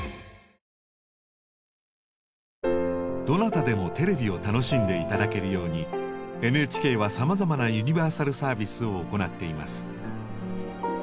どなたでもテレビを楽しんで頂けるようにＮＨＫはさまざまなユニバーサルサービスを行っています。